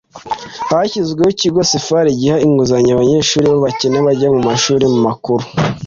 hashyizweho ikigo sfar giha inguzanyo abanyeshuri b' abakene bajya mu mashuri makuru